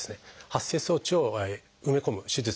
発生装置を埋め込む手術